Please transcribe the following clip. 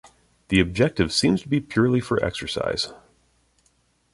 The objective seems to be purely for exercise.